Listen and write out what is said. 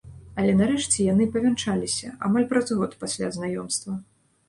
Але нарэшце яны павянчаліся, амаль праз год пасля знаёмства.